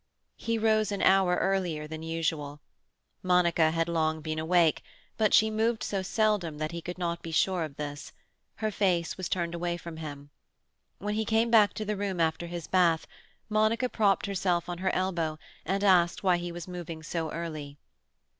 He rose an hour earlier than usual. Monica had long been awake, but she moved so seldom that he could not be sure of this; her face was turned from him. When he came back to the room after his bath, Monica propped herself on her elbow and asked why he was moving so early.